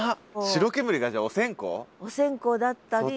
白煙がじゃあお線香だったり。